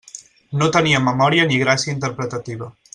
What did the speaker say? No tenia memòria ni gràcia interpretativa.